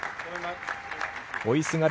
追いすがる